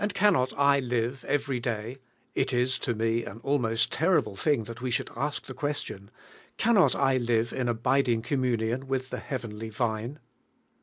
cannot I live every day — it ia to me an almost terrible thing that we should ask the question — cannot I live in abiding communion with the heavenly Vine?